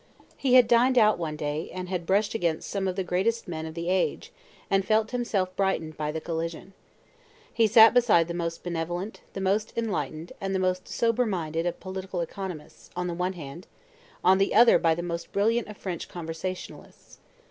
He had dined out one day, and had brushed against some of the greatest men of the age, and felt himself brightened by the collision. He sat beside the most benevolent, the most enlightened, and the most sober minded of political economists, on the one hand; on the other by the most brilliant of French conversationalists.